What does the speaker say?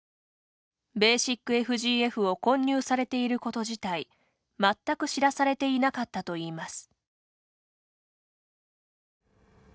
ｂＦＧＦを混入されていること自体まったく知らされていなかったといいます。